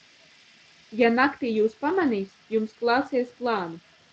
Ja naktī jūs pamanīs, jums klāsies plāni!